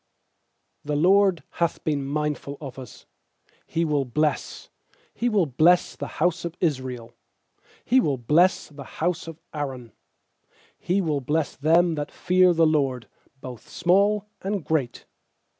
"The LORD hath been mindful of us, He will bless — He will bless the house of Israel; He will bless the house of Aaron. 13He will bless them that fear the LORD, Both small and great.